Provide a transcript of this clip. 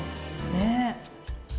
ねえ。